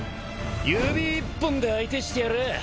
指一本で相手してやる。